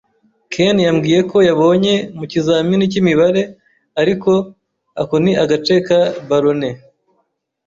Ken yambwiye ko yabonye mu kizamini cy'imibare, ariko ako ni agace ka baloney.